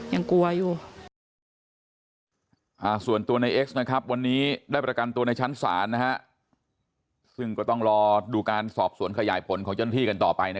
ยังกลัวอยู่